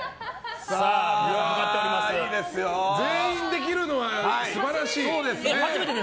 全員できるのは素晴らしい。